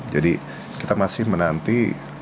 jadi kita masih menanti